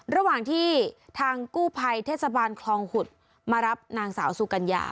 ระหว่างที่ทางกู้ภัยเทศบาลคลองขุดมารับนางสาวสุกัญญา